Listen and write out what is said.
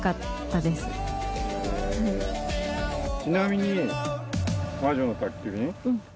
ちなみに。